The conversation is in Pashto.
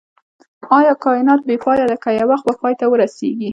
ايا کائنات بی پایه دی که يو وخت به پای ته ورسيږئ